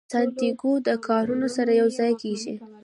سانتیاګو د کاروان سره یو ځای کیږي.